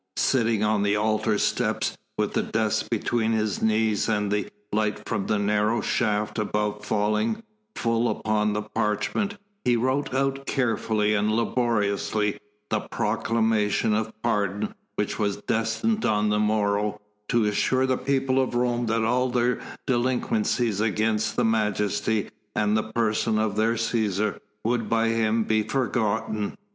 Sitting on the altar steps, with the desk between his knees and the light from the narrow shaft above falling full upon the parchment, he wrote out carefully and laboriously the proclamation of pardon which was destined on the morrow to assure the people of Rome that all their delinquencies against the majesty and the person of their Cæsar would by him be forgotten.